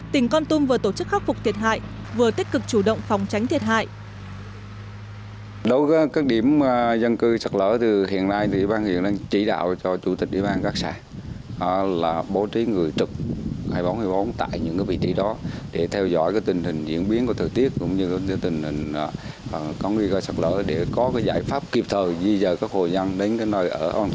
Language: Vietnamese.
tỉnh con tum vừa tổ chức khắc phục thiệt hại vừa tích cực chủ động phòng tránh thiệt hại